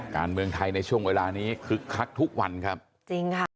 การเมืองไทยในช่วงเวลานี้คึกคักทุกวันครับจริงค่ะ